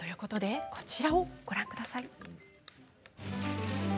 こちらをご覧ください。